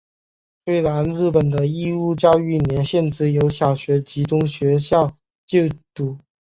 虽然日本的义务教育年限只有小学及中学校就读。